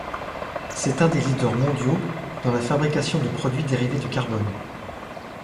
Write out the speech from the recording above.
C’est un des leaders mondiaux dans la fabrication de produits dérivés du carbone.